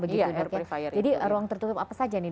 jadi ruang tertutup apa saja